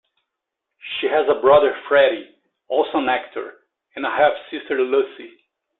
She has a brother Freddie, also an actor, and a half sister Lucy.